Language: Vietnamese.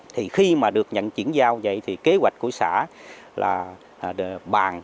thì khi mà được nhận chuyển giao vậy thì kế hoạch của xã là bàn